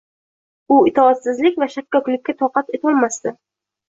u itoatsizlik va shakkoklikka toqat etolmasdi